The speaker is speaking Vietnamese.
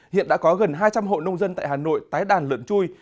hiện đã có gần hai trăm linh hộ nông dân tại hà nội tái đàn lợn chui